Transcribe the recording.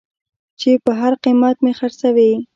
چې په هر قېمت مې خرڅوې.